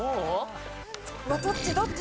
どっちどっち？